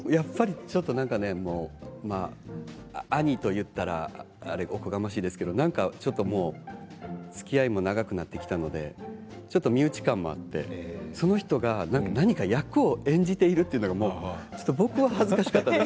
兄と言ったらおこがましいですけどつきあいも長くなってきたのでちょっと身内感もあってその人が何か役を演じているというのがちょっと僕は恥ずかしかったです。